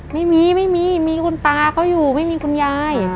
ไม่มีไม่มีมีคุณตาเขาอยู่ไม่มีคุณยาย